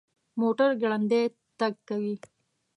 موټر ګړندی تګ کوي